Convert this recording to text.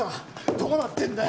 どうなってんだよ